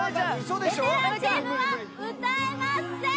ベテランチームは歌えません！